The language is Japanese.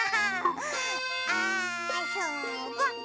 あそぼ！